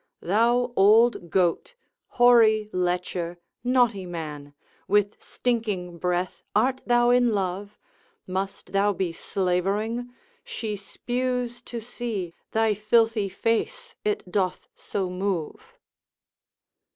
Thou old goat, hoary lecher, naughty man, With stinking breath, art thou in love? Must thou be slavering? she spews to see Thy filthy face, it doth so move.